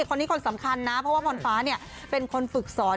คนนี้คนสำคัญนะเพราะว่าพรฟ้าเนี่ยเป็นคนฝึกสอน